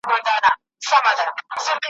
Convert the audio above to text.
څنګه د بورا د سینې اور وینو `